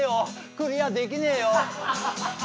クリアできねえよ。